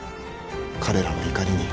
彼らの怒りに。